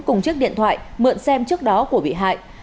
cùng chiếc điện thoại mượn xem trước đó của bị hại